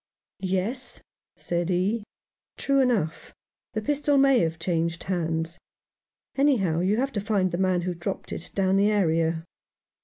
"Yes," said he, "true enough. The pistol may have changed hands. Anyhow, you have to find the man who dropped it down the area."